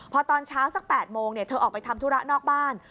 พอตอนเช้าสัก๘โมงเธอออกไปทำธุระนอกบ้าน